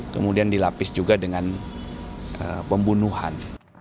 kemudian dilapis juga dengan pembunuhan